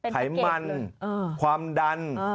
ไขมันความดัน